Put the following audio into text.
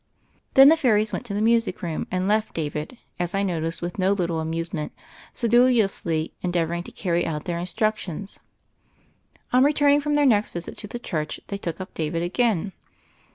Then the fairies went to the music room, and left David, as I noticed with no little amuse ment, sedulously endeavoring to carry out their instructions. On returning from their next visit to the church, they took up David again.